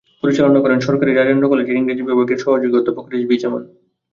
পরিচালনা করেন সরকারি রাজেন্দ্র কলেজের ইংরেজি বিভাগের সহযোগী অধ্যাপক রেজভী জামান।